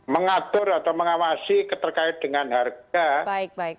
mengatur atau mengawasi terkait dengan harga